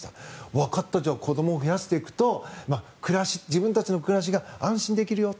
わかったじゃあ子どもを増やしていくと自分たちの暮らしが安心できるよ。